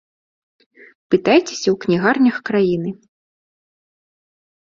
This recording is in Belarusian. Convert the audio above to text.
Пытайцеся ў кнігарнях краіны!